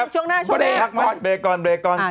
ช่วงหน้าช่วงหน้า